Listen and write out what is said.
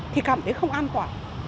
thì cảm thấy không an toàn